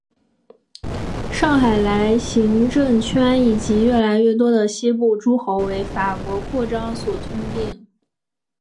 上莱茵行政圈以及越来越多的西部诸侯为法国扩张所吞并。